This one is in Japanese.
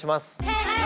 はい！